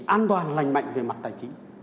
an toàn lành mạnh về mặt tài chính